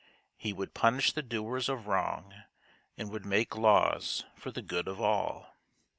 He would punish the doers of wrong, and would make laws for the good of all."